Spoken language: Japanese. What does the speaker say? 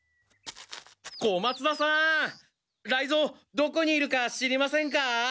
どこにいるか知りませんか？